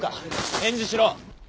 返事しろ！